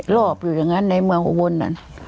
รอบอยู่อย่างนั้นในเมืองอุบลนั้น